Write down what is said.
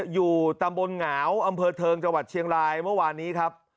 อยู่ตำบลเหงาวอำเภอเทิงจังหวัดเชียงรายเมื่อวานนี้ครับ